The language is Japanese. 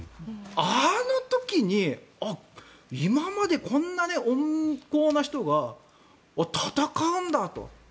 あの時にあっ、今までこんなに温厚な人が戦うんだと。